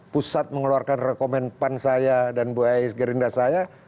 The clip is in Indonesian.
pusat mengeluarkan rekomendan saya dan bu ais gerindra saya